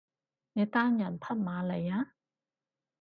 你單人匹馬嚟呀？